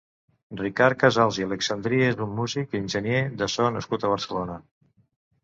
Ricard Casals i Alexandri és un músic i enginyer de so nascut a Barcelona.